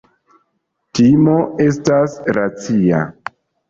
Timo estas racia.